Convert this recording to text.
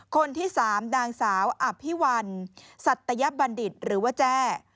คนที่๓นางสาวอภิวัลสัตยบัณฑิตหรือว่าแจ้